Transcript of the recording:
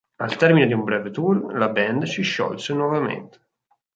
Al termine di un breve tour, la band si sciolse nuovamente.